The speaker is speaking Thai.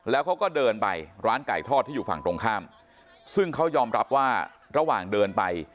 แล้วเขาก็เดินไปร้านไก่ทอดที่อยู่ฝั่งตรงข้ามซึ่งเขายอมรับว่าระหว่างเดินไป